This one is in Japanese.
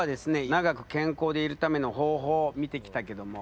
長く健康でいるための方法を見てきたけども。